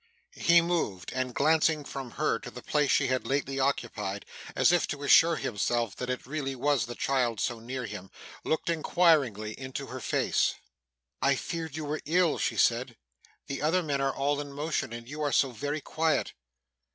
He moved, and glancing from her to the place she had lately occupied, as if to assure himself that it was really the child so near him, looked inquiringly into her face. 'I feared you were ill,' she said. 'The other men are all in motion, and you are so very quiet.